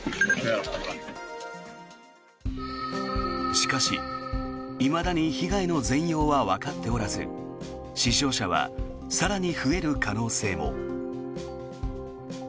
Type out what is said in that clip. しかし、いまだに被害の全容はわかっておらず死傷者は更に増える可能性も。